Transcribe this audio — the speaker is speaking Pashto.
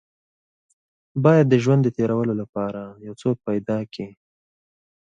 بايد د ژوند د تېرولو لپاره يو څوک پيدا کې.